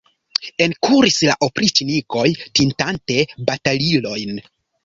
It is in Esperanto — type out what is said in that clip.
Enkuris la opriĉnikoj, tintante batalilojn.